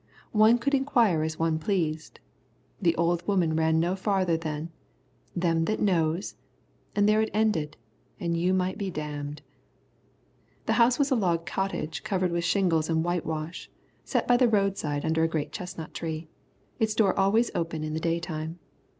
One could inquire as one pleased. The old woman ran no farther than "Them as knows." And there it ended and you might be damned. The house was a log cottage covered with shingles and whitewash, set by the roadside under a great chestnut tree, its door always open in the daytime.